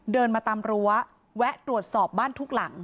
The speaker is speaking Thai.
เดินมาตามรั้วแวะตรวจสอบบ้านทุกหลัง